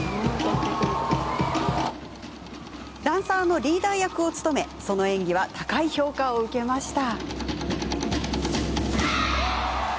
ダンサーのリーダー役を務めその演技は高い評価を受けました。